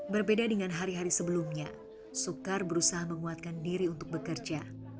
berbeda dengan hari hari sebelumnya soekar berusaha menguatkan diri untuk bekerja